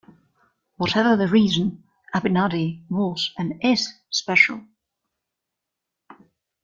Whatever the reason, Abinadi was and is special.